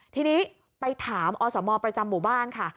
ทีนี้ไปถามอสมประจำหมู่บ้านค่ะ